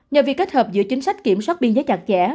nhờ việc kết hợp giữa chính sách kiểm soát biên giới chặt chẽ